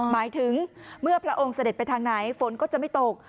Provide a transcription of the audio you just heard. หมายถึงเมื่อพระองค์เสด็จไปทางไหนฝนก็จะไม่ตก